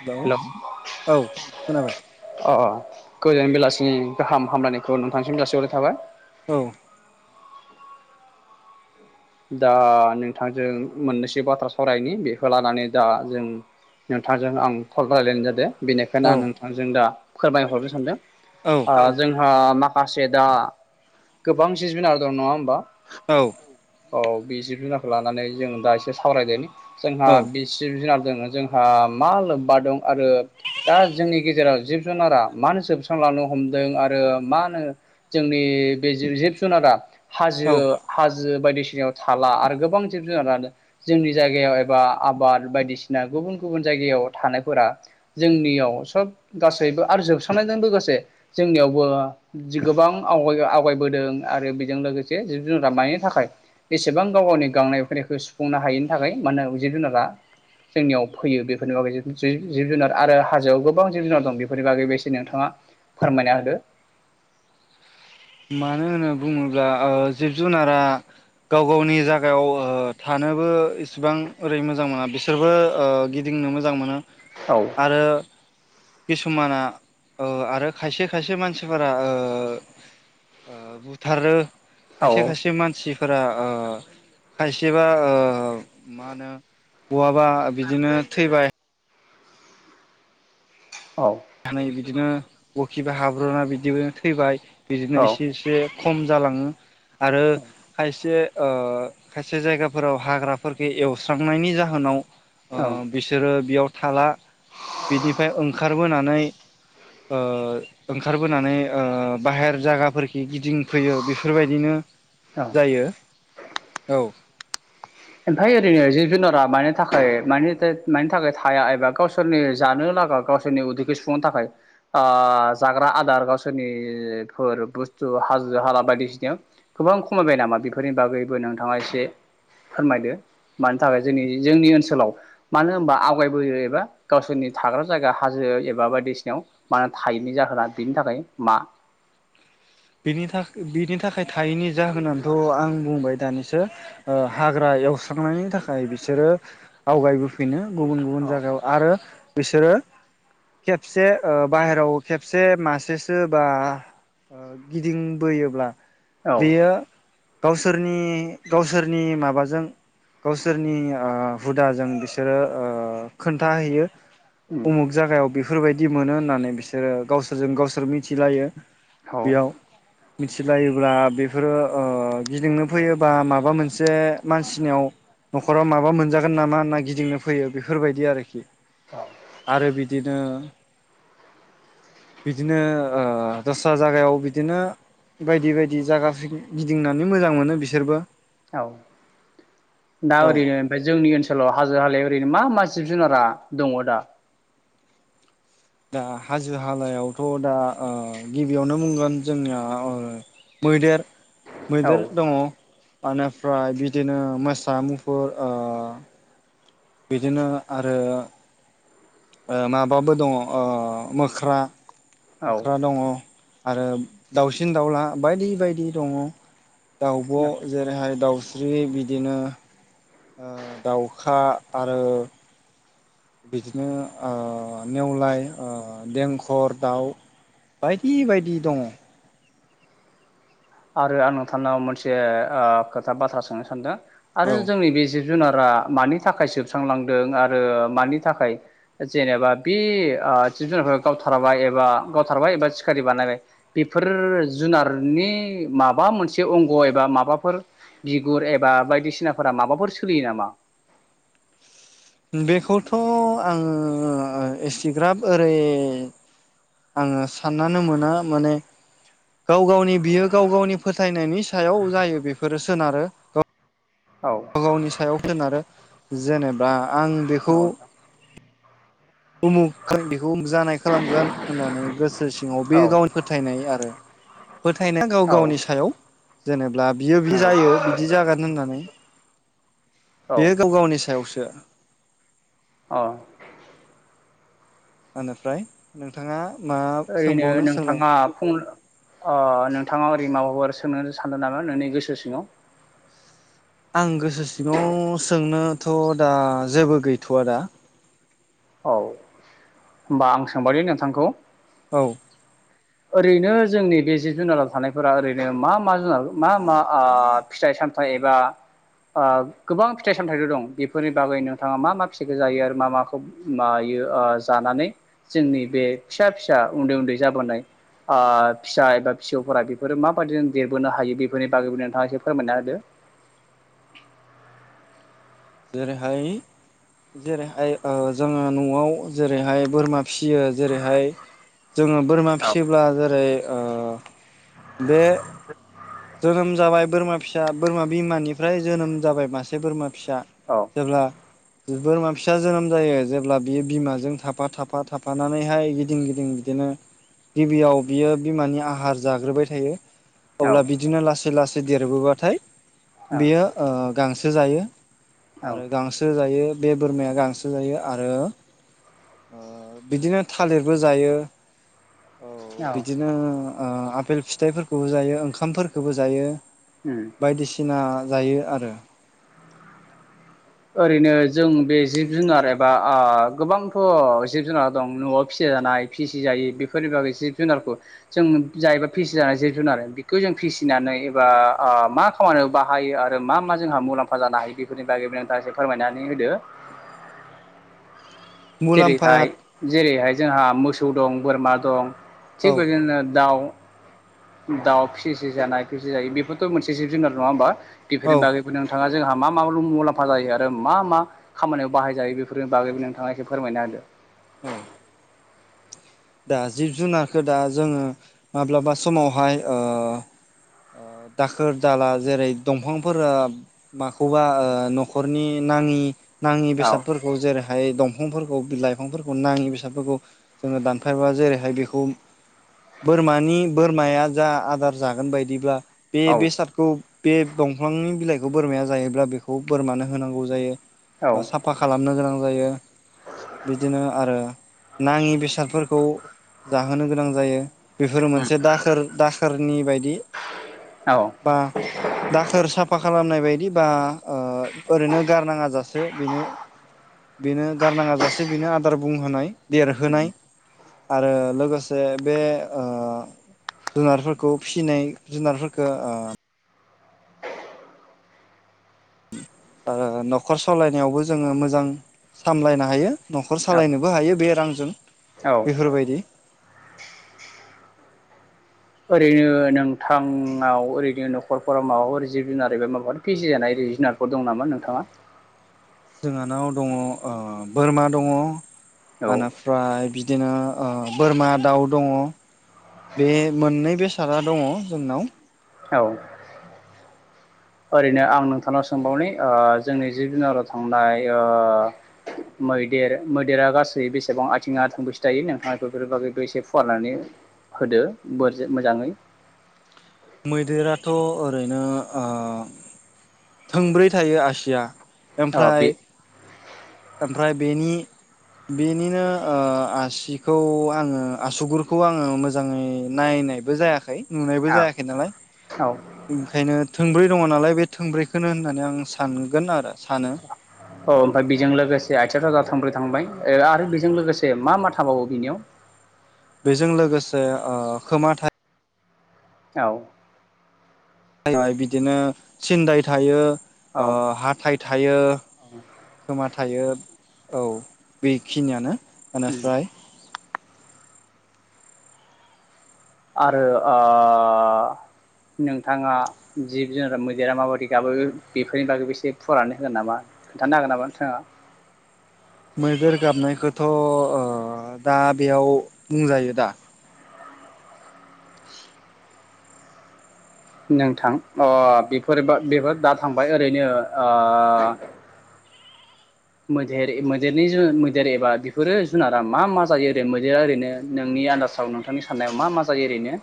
Hello hello अ औ खोनाबाय। गोजोन बेलासिनि गाहाम हामलायखौ नोंथांसिम जासि हरनाय थाबाय। औ। दा नोंथांजों मोननैसो बाथ्रा सावरायनि बेखौ लानानै दा जों नोंथांजों आं फन रायलायनाय जादों। बेनिखायनो औ आं नोंथांजों दा फोरमायहरनो सानदों औ ओ जोंहा माखा माखासे से दा गोबां जि जुनार दं नङा होमबा? औ। औ बे जिब जुनारखौ लानानै जों दा एसे सावरायलायनि जोंहा औ बे जिब जुनार जों जोंहा मा लोब्बा दं आरो दा जोंनि गेजेराव जिब जुनारा मानो जोबस्रां लां लांनो हमदों आरो मा होनो जोंनि बे जिब जुनारा औ हाजो हाजो बायदिसिनायाव थाला आरो गोबां जिब जुनारा जोंनि जायगायाव एबा आबाद बायदिसिना गुबुन गुबुन जायगायाव थानायफोरा जोंनियाव सब गासैबो आरो जोबस्रांनायजों लोगोसे जोंनियावबो जि गोबां आव आवगायबोदों आरो बेजों लोगोसे जिब जुनार मानि थाखाय बेसेबां गाव गावनि गांनाय उखैनायखौ सुफुंनो हायिनि थाखाय मानोना जिब जुनारा जोंनियाव फैयो बेफोरनि बागै जिब जुनार आरो हाजोआव गोबां जिब जुनार दं बेफोरनि बागै बेसे नोंथाङा फोरमायना होदो। मानो होनना बुङोब्ला ओ जिब जुनारा गाव गावनि जायगायाव ओ थानो थानोबो इसिबां ओरै मोजां मोना बिसोरबो ओ गिदिंनो मोजां मोनो। औ आरो किसुमाना ओ आरो खायसे खायसे मानसिफोरा ओ ओ बुथारो औ खायसे खायसे मानसिफोरा ओ खायसेबा ओ मा होनो बहाबा बिदिनो थैबाय औ थानानै बिदिनो बखिबा हाबो बिदिबो थैबाय बिदिनो औ एसे एसे खम जालाङो आरो खायसे ओ खायसे जायगाफोराव हाग्राफोरखो एवस्रांनायनि जाहोनाव ओ औ बिसोरो बेयाव थाला बिनिफ्राय ओंखार बोनानै ओ ओंखारबोनानै ओ बाहेर जायगाफोरखि गिदिंफैयो बेफोरबायदिनो औ जायो औ। ओमफ्राय ओरैनो जिब जुनारा मानि थाखाय मानि थाखाय थाया एबा गावसोरनि जानो गावसोरनि उदैखौै सुफुंनो थाखाय ओ जाग्रा आदार गावसोरनिफोर बुस्थु हाजो हाला बायदिसिनायाव गोबां खमायबाय नामा बेफोरनि बागैबो नोंथाङा एसे फोरमायदो। मानि थाखाय जोंनि जोंनि ओनसोलाव मानो होनबा आवगायबोयो एबा गावसोरनि थाग्रा जायगा हाजो एबा बायदिसिनायाव मा थायैनि जाहोना बेनि थाखाय मा बिनि थाखाय बिनि थाखाय थायैनि जाहोनानोथ' आं बुंबाय दानिसो हाग्रा एवस्रांनायनि थाखाय बिसोरो आवगायबोफिनो गुबुन गुबुन औ जायगायाव आरो। बिसोरो खेबसे ओ बाहेराव खेबसे मासेसो बा गिदिंबोयोब्ला बेयो गावसोरनि गावसोरनि माबाजों। गावसोरनि ओ हुदाजों बिसोरो खोन्थाहैयो। उम उमुख जागायाव बेफोरबायदि मोनो होननानै बिसोरो गावसोरजों गावसोर मिथिलायो। औ बेयाव मिथिलायोब्ला बेफोरो ओ गिदिंनो फैयोबा माबा मोनसे मानसिनियाव न'खराव माबा मोनजागोन नामा ना गिदिंनो फैयो बेफोरबायदि आरोखि। आरो बिदिनो बिदिनो ओ दस्रा जायगायाव बिदिनो बायदि बायदि जायागाफोर गिदिंनानै मोजां मोनो बिसोरबो। औ दा औ ओरैनो ओमफ्राय जोंनि ओनसोलाव हाजो हाला ओरैनो मा मा जिब जुनारा दङ दा। दा हाजो हालायावथ' दा गिबियावनो बुंगोन जोंनिया मैदेर औ मैदेर दङ। बेनिफ्राय बिदिनो मोसा मुफुर बिदिनो आरो। माबाबो दङ मोख्रा औ मोख्रा दङ। आरो दाउसिन दाउला बायदि बायदि दङ दाउब' नों जेरैहाय दाउ- स्रि बिदिनो दाउखा आरो। बिदिनो नेवलाय देंखर दाउ बायदि बायदि दङ। आरो आं नोंथांनाव मोनसे खोथा बाथ्रा सोंनो सानदों औ आरो जोंनि बे जि जुनारा मानि थाखाय जोबस्रांलांदों आरो मानि थाखाय जेनेबा बे जिब जुनारफोर गावथारबाय एबा गावथारबाय एबा सिखारि बानायबाय बेफोर जुनारनि माबा मोनसे अंग एबा माबाफोर बिगुर एबा बायदिसिनाफोरा माबाफोर सोलियो नामा। बेखौथ' आङो एसिग्राब ओरै आङो साननानो मोना मानो गाव गावनि बियो गाव गावनि फोथायनायनि सायाव जायो बेफोरो सोनारो गा- औ व गावनि सायाव सोनारो जेनेबा आं बेखौ नंगौ नोंथां उमुक [unintelligible] [unintelligible] जानाय खालामगोन होननानै गोसो सिङाव बे औ गावनि फोथायनाय आरो। फोथायनाया गाव औ गावनि सायाव जेनेबा बियो बि जायो नंगौ बिदि जागोन होननानै। औ बेयो गाव गावनि सायावसो। औ आनिफ्राय नोंथाङा? मा ओरैनो सोंबावनो सोंनाय नोंथाङा फुं अ नोंथाङा ओरै माबाफोर सोंनो सानदों नामा नोंनि गोसो सिङाव आं गो औ होमबा आं सोंबावनि नोंथांखौ औ ओरैनो जोंनि बे जिब जुनाराव थानायफोरा ओरैनो मा मा जुनार मा मा आ फिथाइ साम थाइ एबा आ गोबां फिथाइ सामथाइथ' दं बेफोरनि बागै नोंथाङा मा मा फिथाइखौ जायो आरो मा माखौ मा यो आ जानानै जोंनि बे फिसा फिसा उन्दै उन्दै जाबोनाय आ फिसा एबा फिसौफोरा बेफोरो माबायदिजों देरबोनो हायो बेफोरनि बागैबो नोंथाङा एसे फोरमायना होदो। [inaudible] जेरैहाय जेरैहाय जोङो ओ न'आव जेरैहाय बोरमा फियो जेरैहाय जोङो बोरमा औ फिसियोब्ला जेरै ओ बे जोनोम जाबाय बोरमा फिसा बोरमा बिमानिफ्राय जोनोम जाबाय मासे बोरमा फिसा औ जेब्ला बोरमा फिसा जोनोम जायो जेब्ला बियो बिमाजों थाफा थाफा थाफानानैहाय गिदिं गिदिं बिदिनो गिबियाव बियो बिमानि आहार जाग्रोबाय थायो। औ अब्ला बिदिनो लासै लासै देरबोबाथाय औ बेयो ओ गांसो जायो औ आरो गांसो जायो बे बोरमाया गांसो जायो आरो ओ बिदिनो थालिरबो जायो औ औ बिदिनो आ आफेल फिथाइफोरखौबो जायो ओंखामफोरखौबो जायो उम बायदिसिना जायो आरो ओरैनो जों बे जिब जुनार एबा आ गोबांथ' जिब जुनार दं न'आव फिसि जानाय फिसि जायि बोफोरनि बागौ जिस जुनारखौ जों बिदि जायोब्ला फिसिजानाय जिब जुनार बेखौ जों फिसि फिसिनानै एबा आ मा खामानियाव बाहायो आरो मा मा जोंहा मुलाम्फा जानो हायो बेफोरनि बागै दा एसे फोरमायनानै होदो मुलाम्फाया जेरैहाय जेरैहाय जोंहा मोसौ दं बोरमा दं औ थिख बिदिनो दाव दाउ फिसि जानाय फिसि जायि बेफोरथ' मोनसे जिब जुनार नङा होमबा बेफोरनि औ बागैबो नोंथाङा जोंहा मा मा मुलाम्फा जायो आरो मा मा खामानियाव बाहायजायो बेफोरनि बागैबो नोंथाङा ए फोरमायना होदो औ दा जिब जुनारखौ दा जोङो माब्लाबा समावहाय आ आ दाखोर दाला जेरै दंफांफोरा माखौबा आ न'खरनि नांग नि नाङि औ बेसादफोरखौ जेरैहाय दंफांफोरखौ बि लाइफांफोरखौ नाङि बेसादफोरखौ जोङो दान फायबा जेरैहाय बेखौ बोरमानि बोरमाया जा आदार जागोन बायदिब्ला औ बे-बेसादखौ बे दंफांनि बिलाइखौ बोरमाया जायोब्ला बेखौ बोरमानो होनांगौ जायो। औ साफा खालामनो गोनां जायो बिदिनो आरो नाङि बेसादफोरखौ खौ जाहोनो गोनां जायो बेफोर मोनसे दाखोर दाखोरनि बायदि औ बा दाखोर साफा खालामनाय बाय दिबा ओ ओरैनो गारनाङा जाासे बेनो बेनो गारनाङ जासे बेनो आदार बुंहोनाय देरहोनाय आरो लोगोसे बे ओ जुनारफोरखौ फिसिनाय जुनारफोरखौ आ आ न'खर सालायनायावबो जोङो मोजां सामलायनो हायो। न'खर औ सालायनोबो हायो बे रांजों औ बेफोरबायदि ओरैनो नोंथांआव ओरैनो न'खरफोराव माबाफोर जिब जुनार माबाफोर फिसि जानाय जिब जुनारफोर दं नामा नोंथाङा? जोंहानाव दङ बोरमा दङ औ आनिफ्राय बिदि बिदिनो ओ बोरमा दाउ दङ बे मोननै बेसादा दङ जोंनाव औ ओरैनो आं नोंथांनाव सोंबावनि ओ जोंनि जिब जुनाराव थांनाय ओ मैदेर मैदेरा गासै बेसेबां आथिङा थोंबैसो थायो नोंथाङा बेफोर बागैबो एसे फुवारनानै होदो बोर मोजाङै मैदेराथ' ओरैनो थोंब्रै थायो आसिया औ बे मफ्राय मफ्राय बेनि बेनिनो आसिखौ आङो आसुगुरखौ आङो मोजाङै नाय नाय जायाखै नुनायबो औ जायाखै नालाय औ ओंखायनो थोंब्रै दङ नालाय बे थोंब्रैखौनो होननानै आं सानगोन आरो सानो औ ओमफ्राय बेजों लोगोसे आथि सेक्राजार थांब्रै थांबाय आरो बेजों लोगोसे मा मा थाबावो बेनियाव? बेजों लोगोसे खोमाथाय औ' जैबाय बिदिनो सिनन्दाय थायो। औ हाथाइ थायो खोमा थायो। औ बेखिनियानो उम बेनिफ्राय आरो आ नोंथाङा जिब जुनार मैदेरा माबायदि गाबो बेफोरनि बागैबो एसे फुरनानै होगोन नामा दनो हागोन नामा साङा मैदेर गाबनायखौथ' दा बेयाव बुंजायो दा। [inaudible] नोंथां बेफोर बेफोर दा थांबाय ओरैनो। [inaudible] मैदेर मैदेरनि मैदेर एबा बेफोरो जुनारा मा मा जायो ओरै मैदेरा ओरैनो नोंनि आन्दाराव नोंथांनि साननायाव मा मा जायो ओरैनो?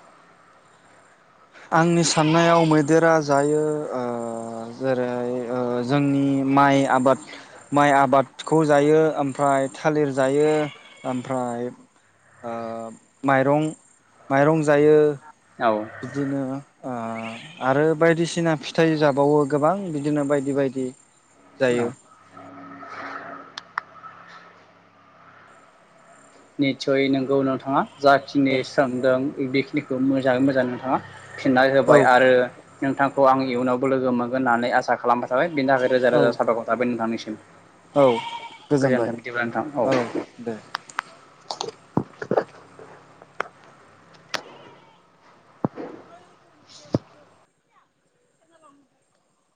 आंनि साननायाव मैदेरा जायो जेरै जोंनि माइ आबाद माइ आबादखौ जायो ओमफ्राय थालिर जायो ओमफ्राय माइरं माइरं जायो। औ बिदिनो आरो बायदिसिना फिथाइ जाबावो गोबां बिदिनो बायदि बायदि। बिदि जायो निसय नंगौ नोंथाङा जाखिनि स्रोंदों बेखिनिखौ मोजाङै मोजां नोंथाङा फिननाय औ होबाय आरो नोंथांखौ आं इयुनावबो लोगो मोनगोन होननानै आसा खालामबाय जाबाय बेनि थाखाय रोजा औ रोजा साबायखर थाबाय नोंथांनिसिम। औ गोजोनबाय गोजानथाम दिबानथां औ दे